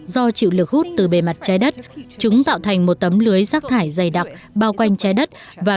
do chịu lực hút từ bề mặt trái đất chúng tạo thành một tấm lưới rác thải dày đặc bao quanh trái đất và